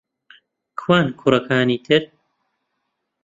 کوان کوڕەکانی تر؟